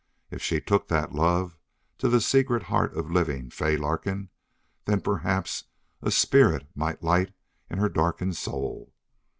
If she took that love to the secret heart of living Fay Larkin, then perhaps a spirit might light in her darkened soul.